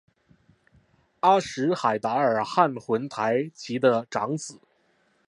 阿什海达尔汉珲台吉的长子。